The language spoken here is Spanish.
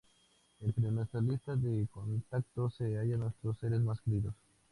entre nuestra lista de contactos se hallan nuestros seres más queridos